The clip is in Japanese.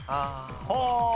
はあ。